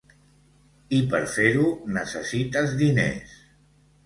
I per fer-ho, necessites diners.